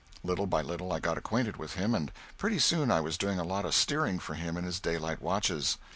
Little by little I got acquainted with him, and pretty soon I was doing a lot of steering for him in his daylight watches.